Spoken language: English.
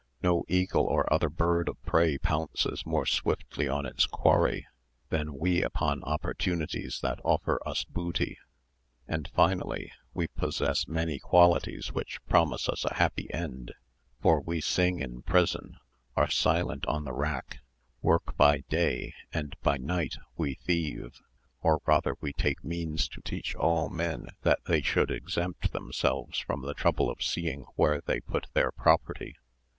No eagle or other bird of prey pounces more swiftly on its quarry than we upon opportunities that offer us booty. And finally, we possess many qualities which promise us a happy end; for we sing in prison, are silent on the rack, work by day, and by night we thieve, or rather we take means to teach all men that they should exempt themselves from the trouble of seeing where they put their property.